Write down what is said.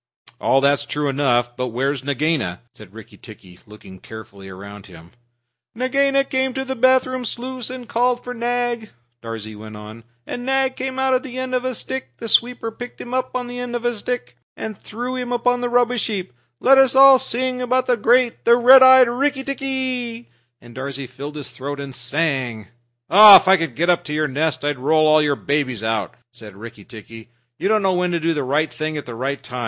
"All that's true enough. But where's Nagaina?" said Rikki tikki, looking carefully round him. "Nagaina came to the bathroom sluice and called for Nag," Darzee went on, "and Nag came out on the end of a stick the sweeper picked him up on the end of a stick and threw him upon the rubbish heap. Let us sing about the great, the red eyed Rikki tikki!" And Darzee filled his throat and sang. "If I could get up to your nest, I'd roll your babies out!" said Rikki tikki. "You don't know when to do the right thing at the right time.